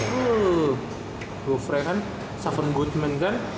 tuh blue frame kan tujuh goodman kan